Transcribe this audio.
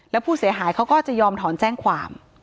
แล้วผู้เสียหายเขาก็จะยอมถอนแจ้งความ